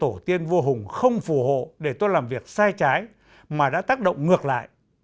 nhưng có lẽ tổ tiên vua hùng không phù hộ để tôi làm việc sai trái mà đã tác động ngược lại